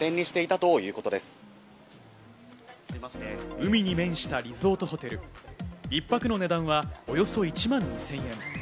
海に面したリゾートホテル、１泊の値段はおよそ１万２０００円。